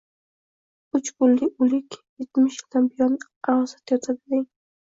Uch kunlik o‘lik yetmish yildan buyon arosatda yotadi, deng.